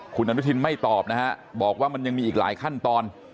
คุณอนุทินไม่ตอบนะฮะบอกว่ามันยังมีอีกหลายขั้นตอน